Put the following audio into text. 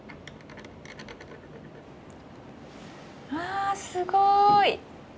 あすごい！